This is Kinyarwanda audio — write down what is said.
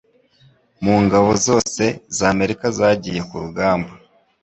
mu ngabo zose z'Amerika zagiye ku rugamba